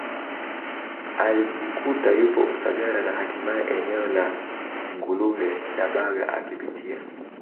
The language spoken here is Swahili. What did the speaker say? alijikuta yupo Usagara na hatimaye eneo la Nguluhe Dabaga akipitia